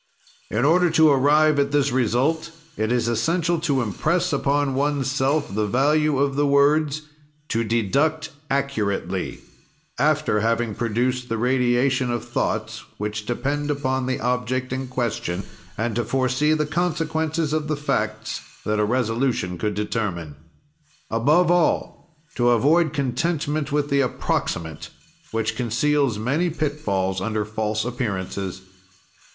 "In order to arrive at this result, it is essential to impress upon oneself the value of the words, 'to deduct accurately,' after having produced the radiation of thoughts which depend upon the object in question, and to foresee the consequences of the facts that a resolution could determine. "Above all, to avoid contentment with the approximate, which conceals many pitfalls under false appearances.